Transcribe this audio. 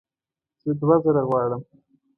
زه دوه زره غواړم